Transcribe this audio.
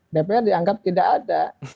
dpr dianggap tidak ada